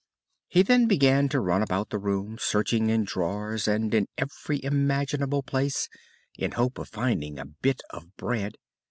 He then began to run about the room, searching in the drawers and in every imaginable place, in hopes of finding a bit of bread.